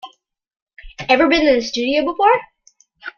Ever been in a studio before?